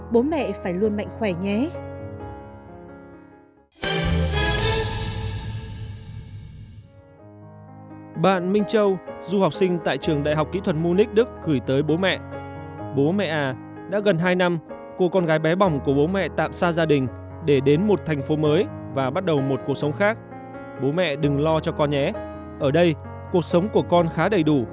bố mẹ phải luôn mạnh khỏe nhé